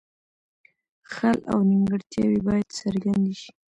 خل او نیمګړتیاوې باید څرګندې شي.